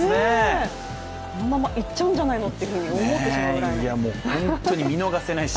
このまま、いっちゃうんじゃないのと思ってしまうぐらいの。